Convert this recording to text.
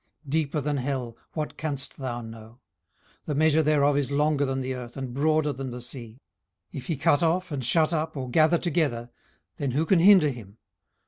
deeper than hell; what canst thou know? 18:011:009 The measure thereof is longer than the earth, and broader than the sea. 18:011:010 If he cut off, and shut up, or gather together, then who can hinder him?